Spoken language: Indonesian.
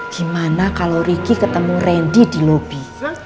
gimana kalau ricky ketemu randy di lobi